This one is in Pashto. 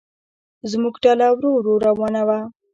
زموږ ډله ورو ورو روانه وه.